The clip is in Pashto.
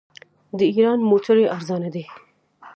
د ایران موټرې ارزانه دي.